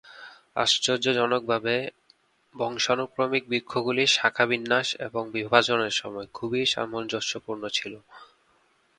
আশ্চর্যজনকভাবে, বংশানুক্রমিক বৃক্ষগুলি শাখাবিন্যাস এবং বিভাজনের সময়ে খুবই সামঞ্জস্যপূর্ণ ছিল।